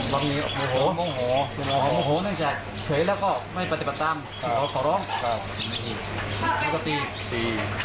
เรามีออกออกออกนั่งจะเฉยแล้วก็ไม่ปฏิบัตรต่างขอร้องเข้าตี